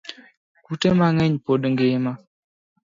Kute mangeny pod ngima